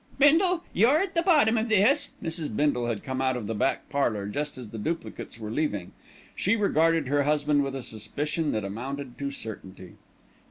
"Bindle, you're at the bottom of this." Mrs. Bindle had come out of the back parlour, just as the duplicates were leaving. She regarded her husband with a suspicion that amounted to certainty.